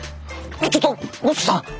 ちょっと五色さん！